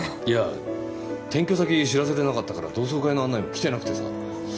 いや転居先知らせてなかったから同窓会の案内も来てなくてさ。